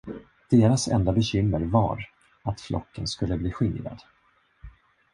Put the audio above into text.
Deras enda bekymmer var, att flocken skulle bli skingrad.